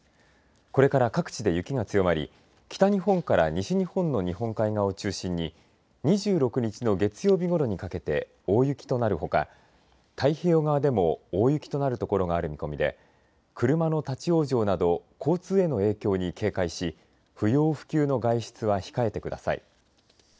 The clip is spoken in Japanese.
これから各地で雪が強まり北日本から西日本の日本海側を中心に２６日の月曜日ごろにかけて大雪となるほか、太平洋側でも大雪となる所がある見込みで車の立往生など交通への影響に警戒し不要不急の外出は控えてください。